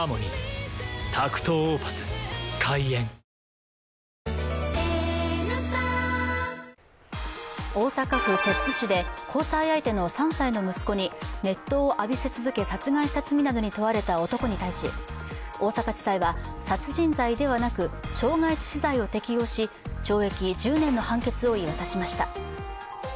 はじけすぎでしょ『三ツ矢サイダー』大阪府摂津市で交際相手の３歳の息子に熱湯を浴びせ続け殺害した罪などに問われた男に対し大阪地裁は殺人罪ではなく傷害致死罪を適用し、懲役１０年の判決を言い渡しました。